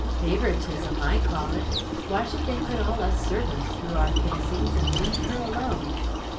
Favouritism, I call it. Why should they put all us servants through our facings, and leave her alone?"